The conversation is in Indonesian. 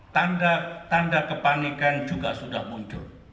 tanda tanda kepanikan juga sudah muncul